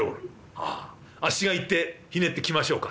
「はああっしが行ってひねってきましょうか？」。